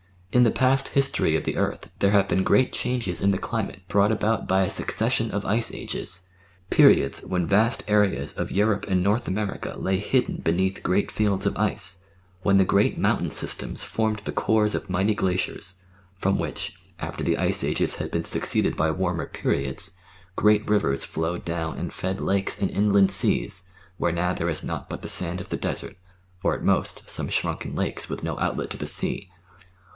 In the past history of the earth there have been great changes in the climate brought about by a succession of ice ages ; periods when vast areas of Europe and North America lay hid den beneath great fields of ice, when the great mountain systems formed the cores of mighty glaciers, from which, after the ice ages had been succeeded by warmer periods, great rivers flowed down and fed lakes and inland seas, where now there is nought but the sand of the desert, or at most some shrunken lakes with no outlet to the sea.